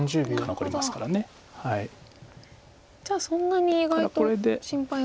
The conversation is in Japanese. じゃあそんなに意外と心配はない。